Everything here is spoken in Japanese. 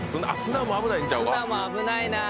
ツナも危ないな。